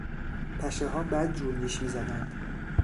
پشهها بدجور نیش میزدند.